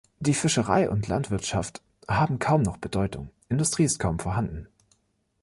Die Fischerei- und Landwirtschaft haben kaum noch Bedeutung, Industrie ist kaum vorhanden.